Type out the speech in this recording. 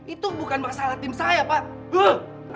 itu bukan masalah tim saya pak